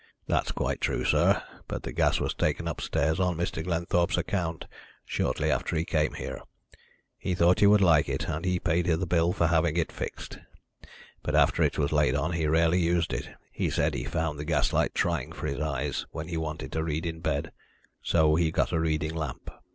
"That's quite true, sir, but the gas was taken upstairs on Mr. Glenthorpe's account, shortly after he came here. He thought he would like it, and he paid the bill for having it fixed. But after it was laid on he rarely used it. He said he found the gaslight trying for his eyes when he wanted to read in bed, so he got a reading lamp."